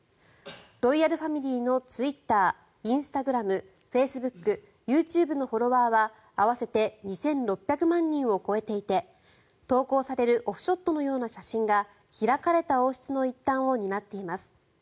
ロイヤルファミリーのツイッターインスタグラムフェイスブックＹｏｕＴｕｂｅのフォロワーは合わせて２６００万人を超えていて投稿されるオフショットのような写真が開かれた王室の一端を担っています。